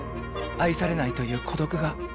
愛されないという孤独が。